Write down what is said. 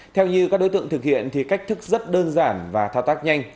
theo như các đối tượng thực hiện thì cách thức rất đơn giản và thao tác nhanh